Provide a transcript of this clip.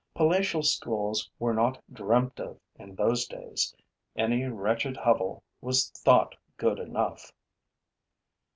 Palatial schools were not dreamt of in those days; any wretched hovel was thought good enough.